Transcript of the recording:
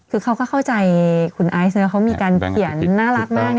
คือเขาก็เข้าใจคุณไอซ์เขามีการเขียนน่ารักมาก